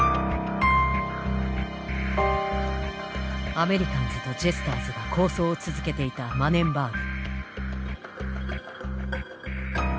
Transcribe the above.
アメリカンズとジェスターズが抗争を続けていたマネンバーグ。